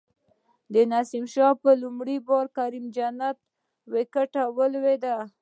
د نسیم شاه په لومړی بال د کریم جنت وکټه ولویده